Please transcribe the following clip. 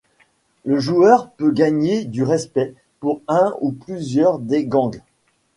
Le joueur peut gagner du respect pour un ou plusieurs des gangs.